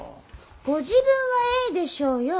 ご自分はええでしょうよ。